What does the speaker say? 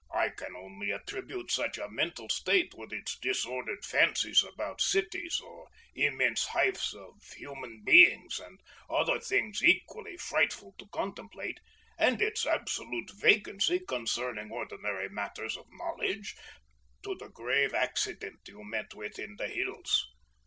I can only attribute such a mental state, with its disordered fancies about cities, or immense hives of human beings, and other things equally frightful to contemplate, and its absolute vacancy concerning ordinary matters of knowledge, to the grave accident you met with in the hills.